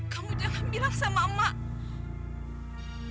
kamu jangan bilang sama emak